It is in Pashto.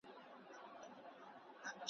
پر لکړه یې دروړمه هدیرې لمن دي نیسه ,